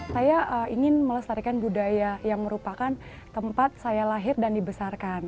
saya ingin melestarikan budaya yang merupakan tempat saya lahir dan dibesarkan